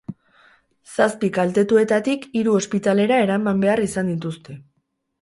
Zazpi kaltetuetatik hiru ospitalera eraman behar izan dituzte.